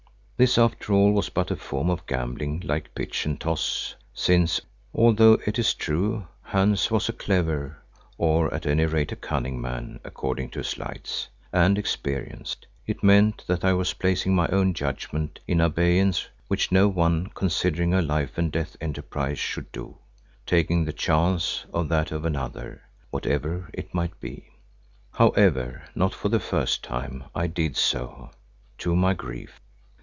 This, after all, was but a form of gambling like pitch and toss, since, although it is true Hans was a clever, or at any rate a cunning man according to his lights, and experienced, it meant that I was placing my own judgment in abeyance, which no one considering a life and death enterprise should do, taking the chance of that of another, whatever it might be. However, not for the first time, I did so—to my grief.